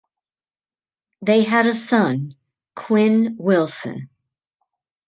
They had a son, Quinn Wilson.